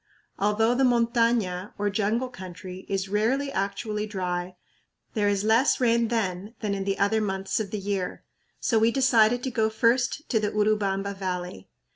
Although the montaña, or jungle country, is rarely actually dry, there is less rain then than in the other months of the year; so we decided to go first to the Urubamba Valley.